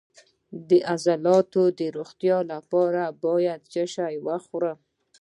د عضلاتو د روغتیا لپاره باید څه شی وخورم؟